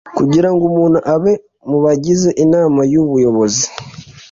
Kugira Ngo Umuntu Abe Mu Bagize Inama Y Ubuyobozi